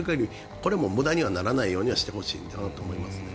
これも無駄にはならないようにしてほしいなと思いますけどね。